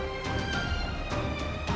dan saya berharap